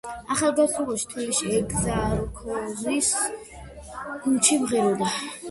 ახალგაზრდობაში თბილისში ეგზარქოსის გუნდში მღეროდა.